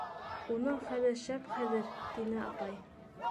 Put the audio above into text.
- Уның хәле шәп хәҙер, - тине апай.